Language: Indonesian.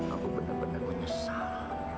aku benar benar menyesal